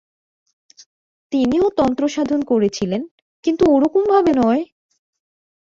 তিনিও তন্ত্রসাধন করেছিলেন, কিন্তু ও-রকম ভাবে নয়।